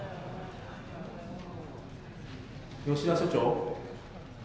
「吉田所長？」。